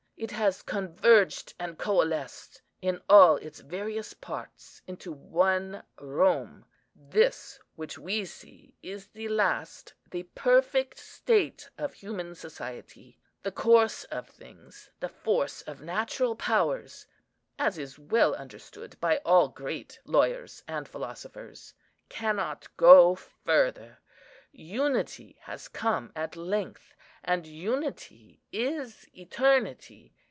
It has converged and coalesced in all its various parts into one Rome. This, which we see, is the last, the perfect state of human society. The course of things, the force of natural powers, as is well understood by all great lawyers and philosophers, cannot go further. Unity has come at length, and unity is eternity.